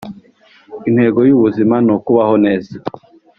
Intego y ubuzima ni ukubaho neza